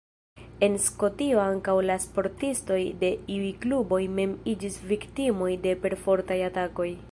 En Skotio ankaŭ la sportistoj de iuj kluboj mem iĝis viktimoj de perfortaj atakoj.